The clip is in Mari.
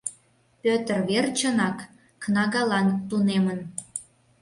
Пӧтыр верчынак кнагалан тунемын.